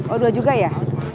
oh dua juga ya